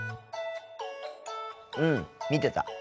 うん見てた。